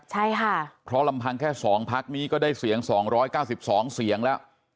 ใช่ค่ะเพราะลำพังแค่๒พักนี้ก็ได้เสียง๒๙๒เสียงแล้ว